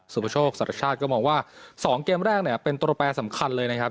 ประโชคสรรพชาติก็มองว่า๒เกมแรกเนี่ยเป็นตัวแปรสำคัญเลยนะครับ